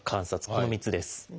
この３つです。